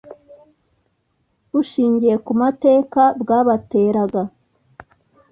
Bushingiye ku mateka bwabateraga